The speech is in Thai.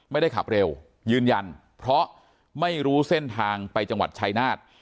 ไม่ได้ขับเร็วยืนยันเพราะไม่รู้เส้นทางไปจังหวัดชายนาฏ